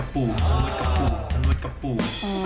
ไปนวดกับปู่